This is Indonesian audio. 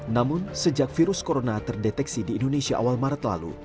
namun sejak virus corona terdeteksi di indonesia awal maret lalu